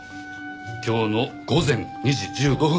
今日の午前２時１５分。